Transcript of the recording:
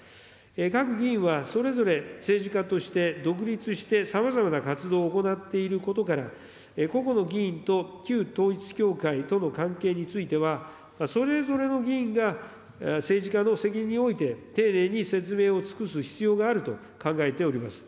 各議員はそれぞれ政治家として独立してさまざまな活動を行っていることから、個々の議員と旧統一教会との関係については、それぞれの議員が政治家の責任において、丁寧に説明を尽くす必要があると考えております。